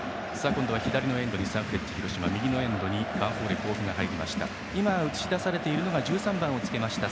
今度は左のエンドにサンフレッチェ広島右のエンドにヴァンフォーレ甲府が入りました。